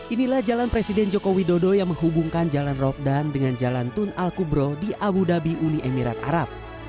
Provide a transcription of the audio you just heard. inilah jalan presiden joko widodo yang menghubungkan jalan robdan dengan jalan tun al kubro di abu dhabi uni emirat arab